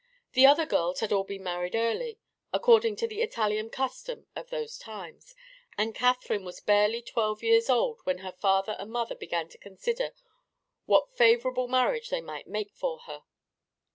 The other girls had all been married early, according to the Italian custom of those times, and Catherine was barely twelve years old when her father and mother began to consider what favorable marriage they might make for her.